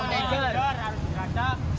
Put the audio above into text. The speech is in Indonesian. manager harus dikatakan